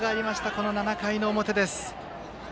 この７回の表です。